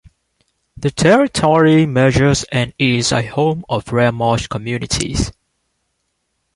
The territory measures and it is a home of rare marsh communities.